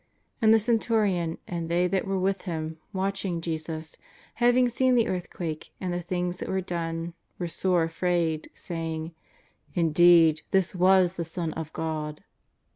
And the centurion and they that were with him watching Jesus, having seen the earthquake and the things that were done, were sore afraid, saying: '' Indeed this was the Son of God."